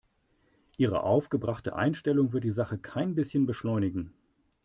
Ihre aufgebrachte Einstellung wird die Sache kein bisschen beschleunigen.